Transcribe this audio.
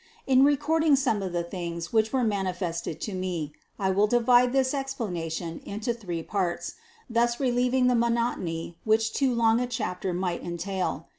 In recording some of the things which were manifested to me I will divide this explana tion into three parts, thus relieving the monotony which too long a chapter might entail.